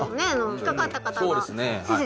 引っかかった方が先生